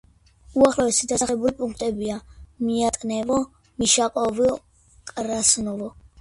უახლოესი დასახლებული პუნქტებია: მიატნევო, მიშაკოვო, კრასნოვო.